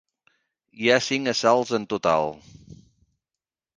Hi ha cinc assalts en total.